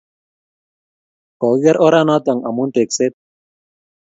Kokiker oranatak amun tekset